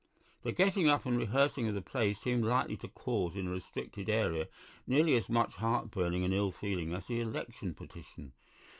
The getting up and rehearsing of the play seemed likely to cause, in a restricted area, nearly as much heart burning and ill feeling as the election petition.